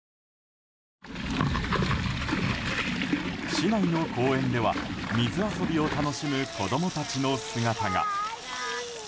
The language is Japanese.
市内の公園では水遊びを楽しむ子供たちの姿が。